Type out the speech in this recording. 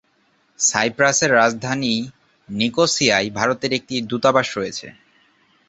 সাইপ্রাসের রাজধানীনিকোসিয়ায় ভারতের একটি দূতাবাস রয়েছে।